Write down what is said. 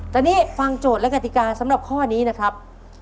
แต่นี่ฟังโจทย์และกติกาสำหรับข้อนี้นะครับ